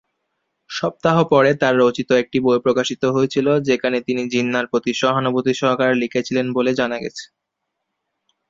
সপ্তাহ পরে, তাঁর রচিত একটি বই প্রকাশিত হয়েছিল, যেখানে তিনি জিন্নাহর প্রতি সহানুভূতি সহকারে লিখেছিলেন বলে জানা গেছে।